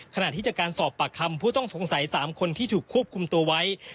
ขณะที่จากการสอบปากคำผู้ต้องสงสัย๓คนที่ถูกควบคุมตัวไว้